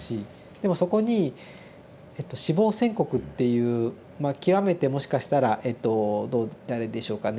でもそこに死亡宣告っていうまあ極めてもしかしたらえと誰でしょうかね